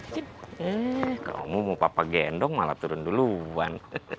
cip kamu mau papa gendong malah turun duluan